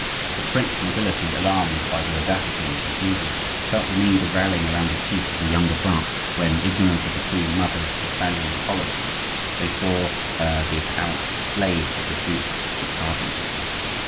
The French nobility, alarmed by the audacity of the Guises, felt the need of rallying around the chief of the younger branch, when, ignorant of the queen mother's Italian policy, they saw her the apparent slave of the duke and cardinal.